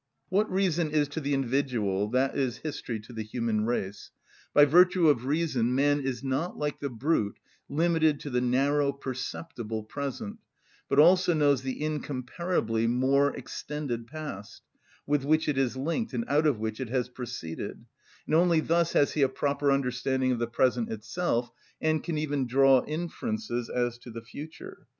What reason is to the individual that is history to the human race. By virtue of reason, man is not, like the brute, limited to the narrow, perceptible present, but also knows the incomparably more extended past, with which it is linked, and out of which it has proceeded; and only thus has he a proper understanding of the present itself, and can even draw inferences as to the future.